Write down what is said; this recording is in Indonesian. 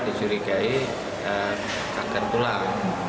dijurigai kanker tulang